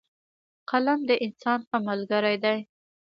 قلم د انسان ښه ملګری دی